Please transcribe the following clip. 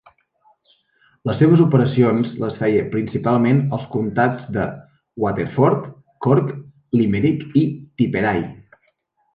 Les seves operacions les feia principalment als comtats de Waterford, Cork, Limerick, i Tipperary.